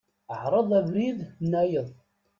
Ɛṛeḍ abrid-nnayeḍ.